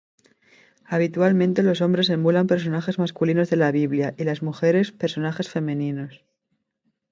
Habitualmente los hombres emulan personajes masculinos de la Biblia y las mujeres, personajes femeninos.